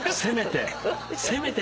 せめて。